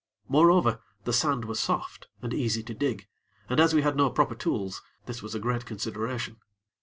Moreover, the sand was soft and easy to dig, and as we had no proper tools, this was a great consideration.